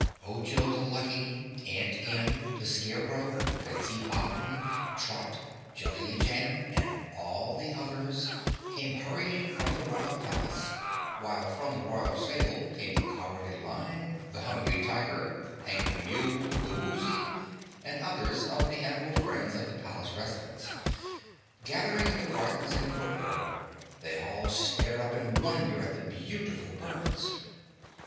Ojo the Lucky, Aunt Em, the Scarecrow, Betsy Bobbin, Trot, Jellia Jamb, and all the others came hurrying from the Royal Palace, while from the Royal Stable came the Cowardly Lion, the Hungry Tiger, Hank the Mule, the Woozy and others of the animal friends of the palace residents. Gathering in the gardens and court yard, they all stared up in wonder at the beautiful birds.